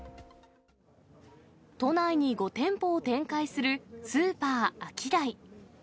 都内に５店舗を展開するスーパー、アキダイ。